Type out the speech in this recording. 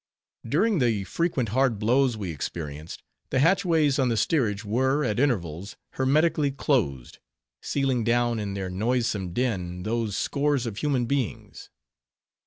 During the frequent hard blows we experienced, the hatchways on the steerage were, at intervals, hermetically closed; sealing down in their noisome den, those scores of human beings.